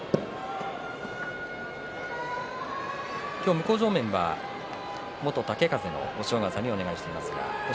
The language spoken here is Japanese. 向正面は元豪風の押尾川さんにお願いしています。